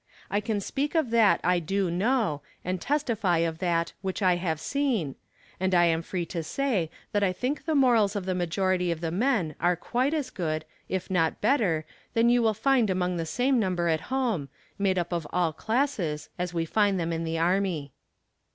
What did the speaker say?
"I can speak of that I do know, and testify of that which I have seen," and I am free to say that I think the morals of the majority of the men are quite as good, if not better than you will find among the same number at home, made up of all classes as we find them in the army.